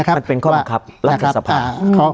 การแสดงความคิดเห็น